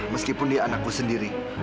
meskipun dia anakku sendiri